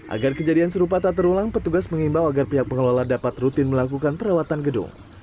agar kejadian serupa tak terulang petugas mengimbau agar pihak pengelola dapat rutin melakukan perawatan gedung